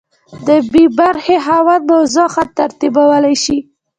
د بي برخې خاوند موضوع ښه ترتیبولی شي.